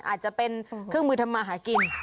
อาจจะเป็นเครื่องมือทำมาหากิน